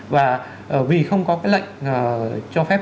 và vì không có lệnh cho phép